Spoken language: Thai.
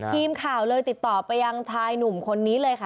ทีมข่าวเลยติดต่อไปยังชายหนุ่มคนนี้เลยค่ะ